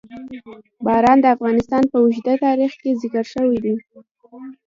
باران د افغانستان په اوږده تاریخ کې ذکر شوی دی.